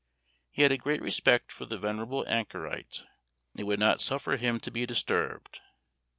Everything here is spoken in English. He had a great respect for the venerable anchorite, and would not suffer him to be disturbed.